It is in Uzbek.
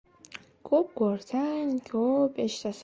• Ko‘p ko‘rsang, ko‘p eshitasan.